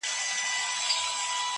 انسان انسان ته زيان رسوي تل